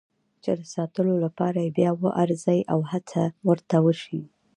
چې د ساتلو لپاره یې بیا وارزي او هڅه ورته وشي.